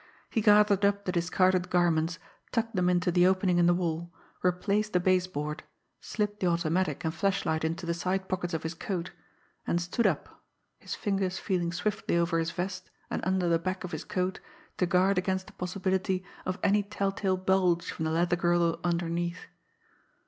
He gathered up the discarded garments, tucked them into the opening in the wall, replaced the baseboard, slipped the automatic and flashlight into the side pockets of his coat and stood up, his fingers feeling swiftly over his vest and under the back of his coat to guard against the possibility of any tell tale bulge from the leather girdle underneath.